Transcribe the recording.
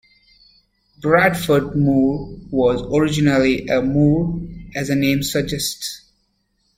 Bradford Moor was originally a moor, as the name suggests.